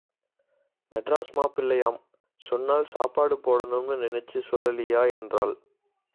மெட்ராஸ் மாப்பிள்ளையாம்... சொன்னால் சாப்பாடு போடணுமுன்னு நினைச்சு சொல்லலியா... என்றாள்.